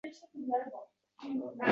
Olib o’tasiz.